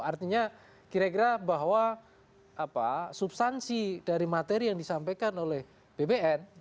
artinya kira kira bahwa substansi dari materi yang disampaikan oleh bpn